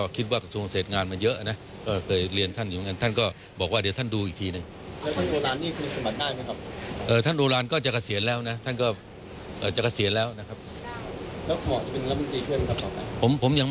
คุณผู้ชมครับอีกหนึ่งประเด็นที่ถูกพูดถึงก็คือเรื่องของ